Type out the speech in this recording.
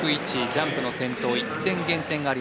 ジャンプの転倒１点減点があります。